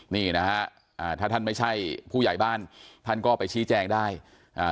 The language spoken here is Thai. นี่นะฮะอ่าถ้าท่านไม่ใช่ผู้ใหญ่บ้านท่านก็ไปชี้แจงได้อ่า